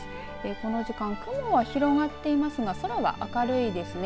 この時間、雲は広がっていますが空は明るいですね。